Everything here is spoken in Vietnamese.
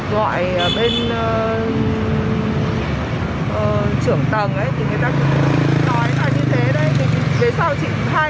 gọi bên trưởng tầng thì người ta cũng nói là như thế đấy